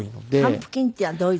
還付金っていうのはどういうの？